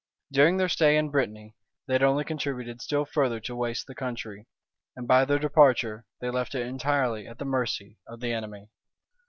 During their stay in Brittany, they had only contributed still further to waste the country; and by their departure, they left it entirely at the mercy of the enemy.